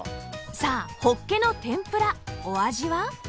さあほっけの天ぷらお味は？